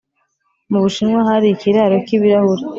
Mu bushinwa hari ikiraro cy’ibirahure.